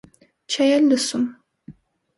Չէի էլ լսում: